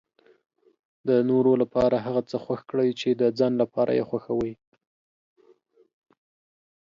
د نورو لپاره هغه څه خوښ کړئ چې د ځان لپاره یې خوښوي.